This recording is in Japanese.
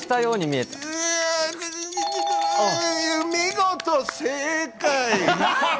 見事正解。